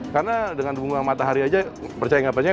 karena dengan bunga matahari aja percaya gak percaya